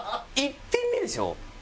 １品目でしょ？